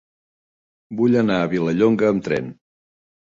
Vull anar a Vilallonga amb tren.